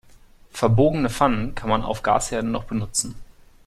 Verbogene Pfannen kann man auf Gasherden noch benutzen.